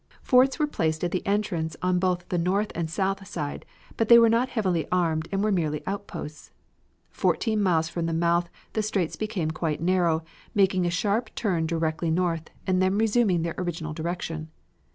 Forts were placed at the entrance on both the north and south side, but they were not heavily armed and were merely outposts. Fourteen miles from the mouth the straits become quite narrow, making a sharp turn directly north and then resuming their original direction.